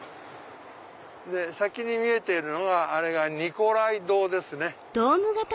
先に見えているのがあれがニコライ堂ですね。